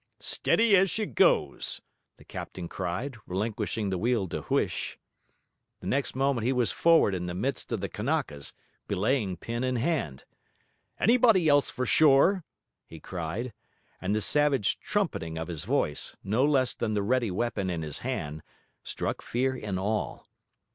'Steady as she goes,' the captain cried, relinquishing the wheel to Huish. The next moment he was forward in the midst of the Kanakas, belaying pin in hand. 'Anybody else for shore?' he cried, and the savage trumpeting of his voice, no less than the ready weapon in his hand, struck fear in all.